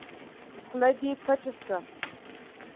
خوله دې پټّ شه!